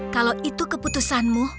kalau itu keputusanmu